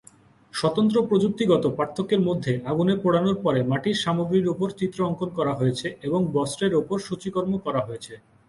স্বতন্ত্র প্রযুক্তিগত পার্থক্যের মধ্যে আগুনে পোড়ানোর পরে মাটির সামগ্রীর উপর চিত্র অঙ্কন করা হয়েছে, এবং বস্ত্রের উপর সূচিকর্ম করা হয়েছে।